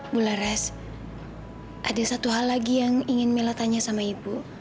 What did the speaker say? bu laras ada satu hal lagi yang ingin mila tanya sama ibu